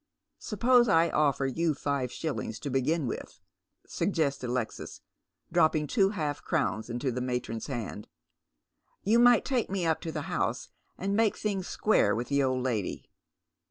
" Suppose I offer you five sliillings to begin with," suggests Alexis, dropping two half crowns into the matron's hand. " You might take me up to the house and make things square with th© old lady."